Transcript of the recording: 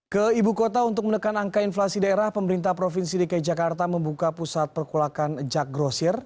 ke ibu kota untuk menekan angka inflasi daerah pemerintah provinsi dki jakarta membuka pusat perkulakan jak grosir